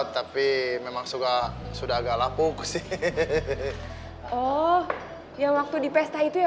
tapi memang suka sudah agak lapuk sih oh ya waktu di pesta itu ya